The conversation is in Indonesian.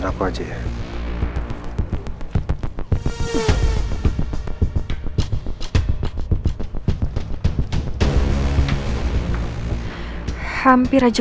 tapi papa percaya